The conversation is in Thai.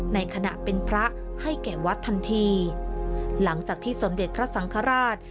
ในขณะเป็นพระให้แก่วัดทันทีหลังจากที่สมเด็จพระสังฆราช